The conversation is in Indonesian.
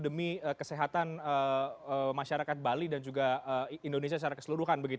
demi kesehatan masyarakat bali dan juga indonesia secara keseluruhan